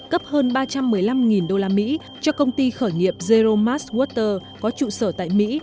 cấp hơn ba trăm một mươi năm usd cho công ty khởi nghiệp zero mas water có trụ sở tại mỹ